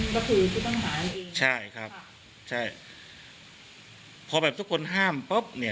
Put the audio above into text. ก็คือผู้ต้องหานั่นเองใช่ครับใช่พอแบบทุกคนห้ามปุ๊บเนี่ย